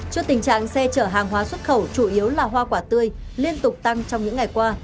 trước tình trạng xe chở hàng hóa xuất khẩu chủ yếu là hoa quả tươi liên tục tăng trong những ngày qua